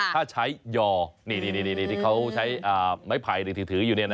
ถ้าใช้ย่อนี่ที่เขาใช้ไม้ไผ่หรือถืออยู่เนี่ยนะ